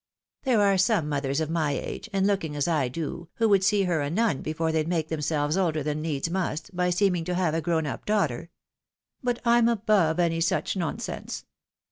There are some mothers of my age, and looking as I do, who would see her a nun before they'd make themselves older than needs must, by seeming to have a grown up daughter. But I'm above any such nonsense.